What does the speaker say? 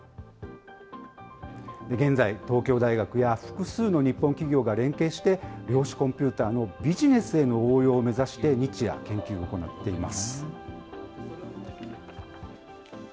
現在、東京大学や複数の日本企業が連携して、量子コンピューターのビジネスへの応用を目指して日夜、研究を行っています。